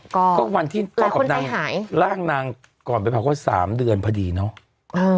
ก็วันที่กล้องกับนางล่างนางก่อนไปแปลว่า๓เดือนพอดีเนาะ